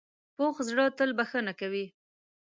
پوخ زړه تل بښنه کوي